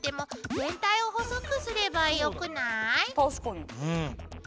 確かに。